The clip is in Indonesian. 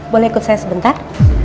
boleh ikut saya sebentar